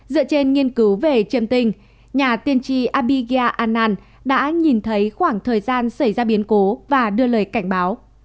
dựa trên nghiên cứu về triềm tình nhà tiền trì abiga anand đã nhìn thấy khoảng thời gian xảy ra biến cố và đưa lời cảnh báo